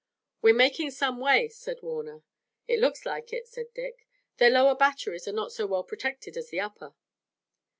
"We're making some way," said Warner. "It looks like it," said Dick. "Their lower batteries are not so well protected as the upper."